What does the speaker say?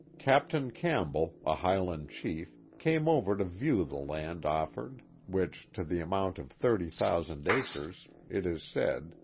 Captain Campbell, a Highland chief, came over to view the land offered, which, to the amount of thirty thousand acres, it is said.